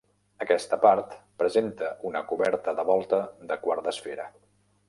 Aquesta part presenta una coberta de volta de quart d'esfera.